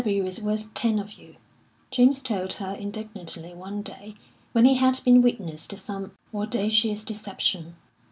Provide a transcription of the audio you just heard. "P. W. is worth ten of you," James told her indignantly one day, when he had been witness to some audacious deception.